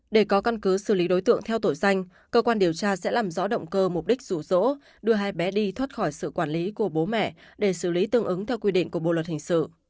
để có căn cứ xử lý đối tượng theo tội danh cơ quan điều tra sẽ làm rõ động cơ mục đích rủ rỗ đưa hai bé đi thoát khỏi sự quản lý của bố mẹ để xử lý tương ứng theo quy định của bộ luật hình sự